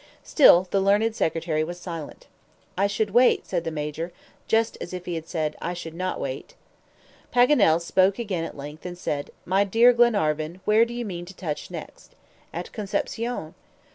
Still the learned secretary was silent. "I should wait," said the Major, just as if he had said, "I should not wait." Paganel spoke again at length, and said: "My dear Glenarvan, where do you mean to touch next?" "At Concepcion."